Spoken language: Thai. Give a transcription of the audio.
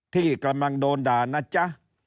ที่กำลังโดนด่านะจ๊ะ